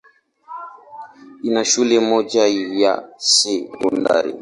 Ina shule moja ya sekondari.